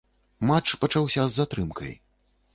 Матч пачаўся з затрымкай.